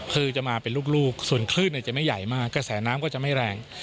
คือจะมาเป็นลูกส่วนคลื่นจะไม่ใหญ่มากกระแสน้ำก็จะไม่แรง